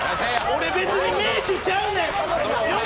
俺、別に名手ちゃうねん。